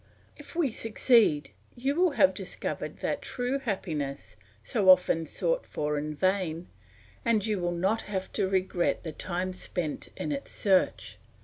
If we succeed, you will have discovered that true happiness, so often sought for in vain; and you will not have to regret the time spent in its search.